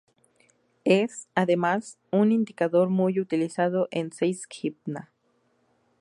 Es, además, un indicador muy utilizado en Seis Sigma.